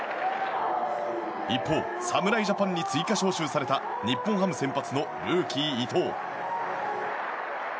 一方、侍ジャパンに追加招集された日本ハム先発のルーキー伊藤。